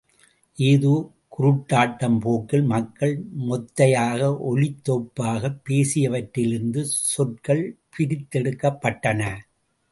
ஏதோ குருட்டாம் போக்கில் மக்கள் மொத்தையாக ஒலித் தொகுப்பாகப் பேசியவற்றிலிருந்து சொற்கள் பிரித்தெடுக்கப்பட்டன.